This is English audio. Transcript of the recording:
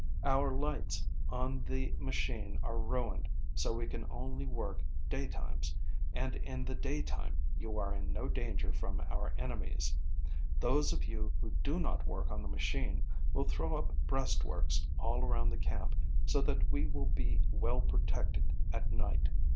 Our lights on the machine are ruined so we can only work day times, and in the day time you are in no danger from our enemies. Those of you who do not work on the machine will throw up breastworks all around the camp so that we will be well protected at night."